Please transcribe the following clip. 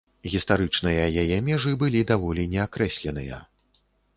Гістарычныя яе межы былі даволі неакрэсленыя.